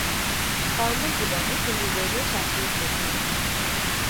কর্মজীবনে তিনি রেলে চাকুরি করতেন।